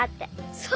そう。